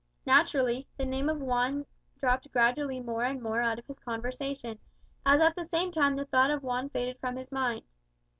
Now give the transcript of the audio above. Naturally, the name of Juan dropped gradually more and more out of his conversation; as at the same time the thought of Juan faded from his mind.